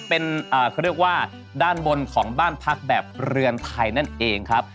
เป็นเขาเรียกว่าด้านบนของบ้านพักแบบเรือนไทยนั่นเองครับ